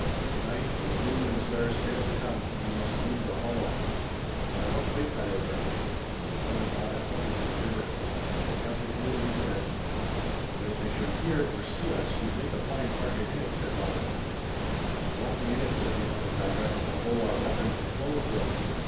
Tonight when the moon and stars fail to come we must leave the hollow." "By what way, Tayoga?" The Onondaga pointed to the river. "We have the canoe," he said. "But if they should hear or see us we'd make a fine target in it," said Robert. "We won't be in it," said the Onondaga, "although our weapons and clothes will."